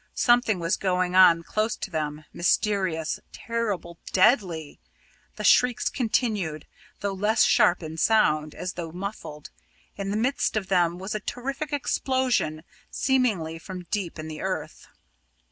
Something was going on close to them, mysterious, terrible, deadly! The shrieks continued, though less sharp in sound, as though muffled. In the midst of them was a terrific explosion, seemingly from deep in the earth.